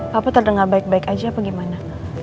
papa terdengar baik baik aja apa gimana